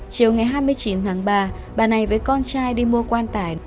chiều ngày hai mươi chín tháng ba bà này với con trai đi mua quan tải